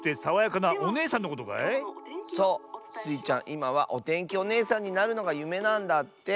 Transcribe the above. いまはおてんきおねえさんになるのがゆめなんだって。